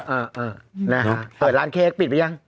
อ่าอ่าอ่าเปิดร้านเค้กปิดไปยัง